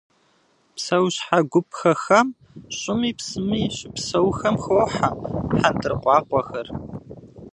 Псэущхьэ гуп хэхам, щӏыми псыми щыпсэухэм, хохьэ хьэндыркъуакъуэхэр.